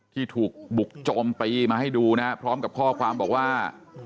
ที่ถูกบุกโจมตีมาให้ดูนะครับพร้อมกับข้อความบอกว่า